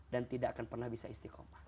dan tidak akan pernah bisa istiqomah